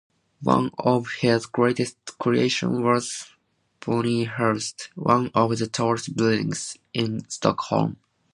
One of his greatest creations was Bonnierhuset, one of the tallest buildings in Stockholm.